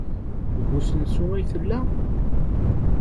Deg usensu ay tella?